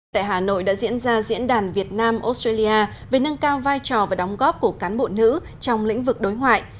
tại hà nội đã diễn ra diễn đàn việt nam australia về nâng cao vai trò và đóng góp của cán bộ nữ trong lĩnh vực đối ngoại